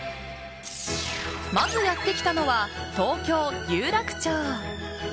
まずやってきたのは東京・有楽町。